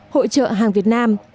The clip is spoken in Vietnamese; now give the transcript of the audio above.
hỗ trợ hàng việt nam